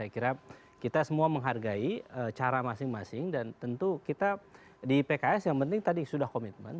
saya kira kita semua menghargai cara masing masing dan tentu kita di pks yang penting tadi sudah komitmen